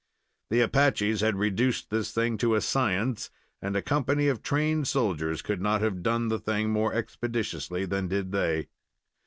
The Apaches had reduced this thing to a science, and a company of trained soldiers could not have done the thing more expeditiously than did they.